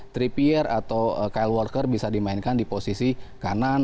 tripper atau kyle walker bisa dimainkan di posisi kanan